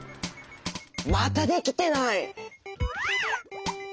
またできてない。